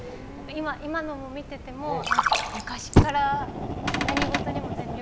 今のを見てても昔から何事にも全力。